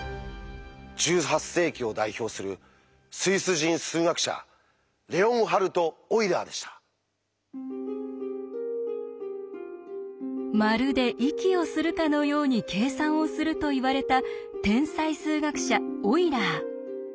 １８世紀を代表するスイス人数学者「まるで息をするかのように計算をする」といわれた天才数学者オイラー。